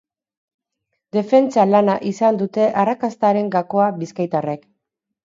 Defentsa lana izan dute arrakastaren gakoa bizkaitarrek.